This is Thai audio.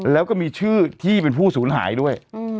แล้วก็มีชื่อที่เป็นผู้สูญหายด้วย